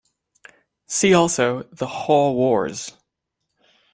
See also the Haw wars.